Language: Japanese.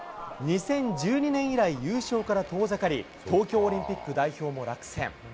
２０１２年以来、優勝から遠ざかり、東京オリンピック代表も落選。